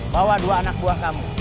bawa dua anak buah kamu